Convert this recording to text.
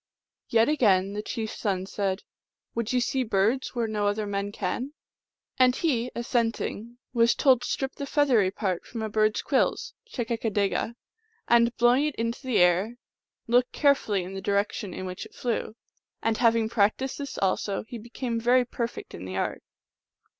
Yet again the chief s son said, " Would you see birds where no other men can ?" And he, assent ing, was told to strip the feathery part from a bird s quills (chekakadega), and, blowing it into the air, look carefully in the direction in which it flew. And having practiced this also, he became very perfect in the art.